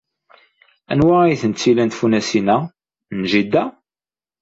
Anwa ay tent-ilan tfunasin-a? N jida.